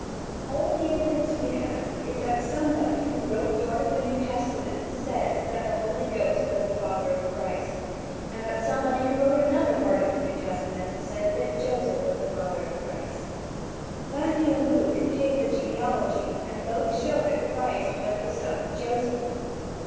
All the evidence we have is that somebody who wrote part of the New Testament says that the Holy Ghost was the father of Christ, and that somebody who wrote another part of the New Testament says that Joseph was the father of Christ. Matthew and Luke give the genealogy and both show that Christ was the son of Joseph.